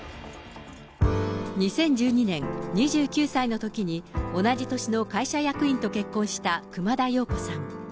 ２０１２年、２９歳のときに、同じ年の会社役員と結婚した熊田曜子さん。